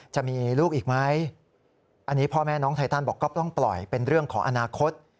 จะมีลูกอีกไหมอันนี้พ่อแม่น้องไทตันบอกก็ต้องปล่อยเป็นเรื่องของอนาคต